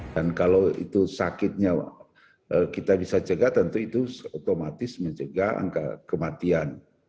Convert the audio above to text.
dan kalau itu sakitnya kita bisa jaga tentu itu otomatis menjaga angka kematian